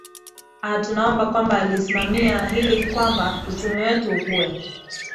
a tunaomba kwamba alisimamia hili kwamba uchumi wetu ukue